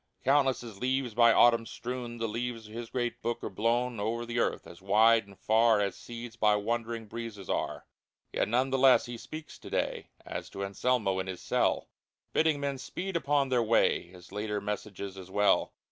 Countless as leaves by autumn strewn The leaves of His great Book are blown Over the earth as wide and far As seeds by wandering breezes are ! Yet none the less He speaks to day As to Anselmo in his cell ; Bidding men speed upon their way His later messages as well.